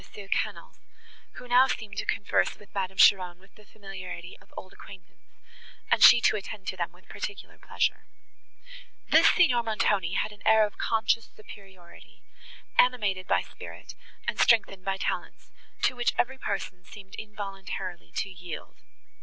Quesnel's, who now seemed to converse with Madame Cheron with the familiarity of old acquaintance, and she to attend to them with particular pleasure. This Signor Montoni had an air of conscious superiority, animated by spirit, and strengthened by talents, to which every person seemed involuntarily to yield.